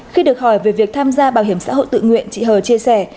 khi được hỏi về việc tham gia bảo hiểm xã hội tự nguyện chị hờ chia sẻ